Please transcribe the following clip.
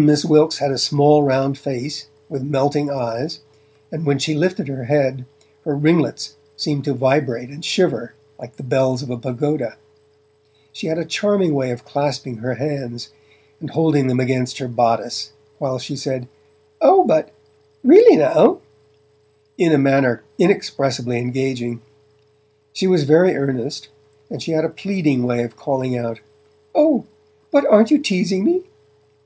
Miss Wilkes had a small, round face, with melting eyes, and when she lifted her head, her ringlets seemed to vibrate and shiver like the bells of a pagoda. She had a charming way of clasping her hands, and holding them against her bodice, while she said, 'Oh, but really now?' in a manner inexpressibly engaging. She was very earnest, and she had a pleading way of calling out: 'O, but aren't you teasing me?'